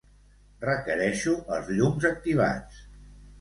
Requereixo els llums activats.